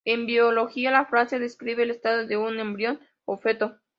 En biología, la frase describe el estado de un embrión o feto.